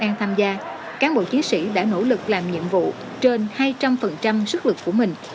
an tham gia cán bộ chiến sĩ đã nỗ lực làm nhiệm vụ trên hai trăm linh sức lực của mình